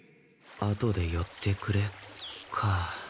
「後でよってくれ」か。